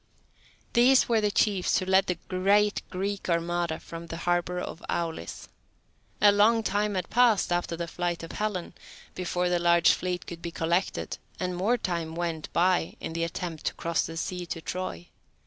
These were the chiefs who led the great Greek armada from the harbour of Aulis. A long time had passed, after the flight of Helen, before the large fleet could be collected, and more time went by in the attempt to cross the sea to Troy.